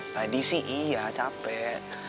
tadi sih iya capek